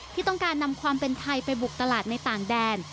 ที่ต้องการนำความเป็นไทยไปบุกตลาดในต่างแดน